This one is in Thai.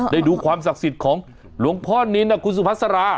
ได้ดูความศักดิ์สิทธิ์ของหลวงพ่อนินทร์คุณสุพัสรา